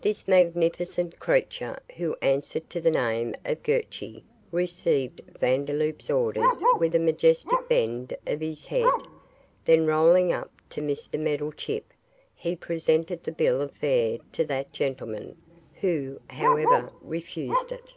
This magnificent creature, who answered to the name of Gurchy, received Vandeloup's orders with a majestic bend of his head, then rolling up to Mr Meddlechip, he presented the bill of fare to that gentleman, who, however, refused it.